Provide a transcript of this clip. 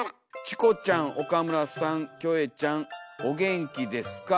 「チコちゃんおかむらさんキョエちゃんおげんきですか？」。